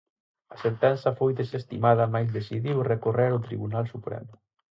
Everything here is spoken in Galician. A sentenza foi desestimada mais decidiu recorrer ao Tribunal Supremo.